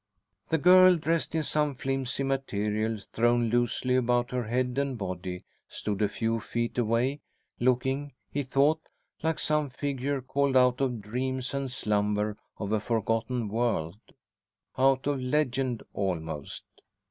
The girl, dressed in some flimsy material thrown loosely about her head and body, stood a few feet away, looking, he thought, like some figure called out of dreams and slumber of a forgotten world, out of legend almost.